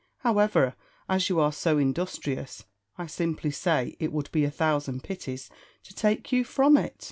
However, as you are so industrious, I simply say it would be a thousand pities to take you from it.